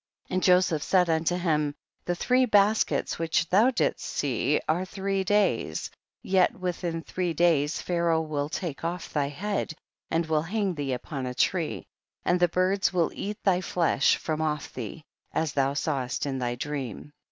14. And Joseph said unto him, the three baskets which thou didst see are three days, yet within three days Pharaoh will take off thy head, and hang thee upon a tree, and the birds will eat thy flesh from off thee, as thou sawest in thy dream.